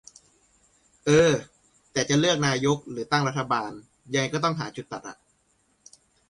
เออ แต่จะเลือกนายกหรือตั้งรัฐบาลยังไง ต้องหาจุดตัดอะ